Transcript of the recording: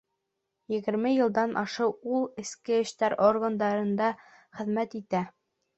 Егерме йылдан ашыу ул эске эштәр органдарында хеҙмәт итә.